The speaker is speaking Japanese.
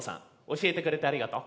教えてくれてありがとう。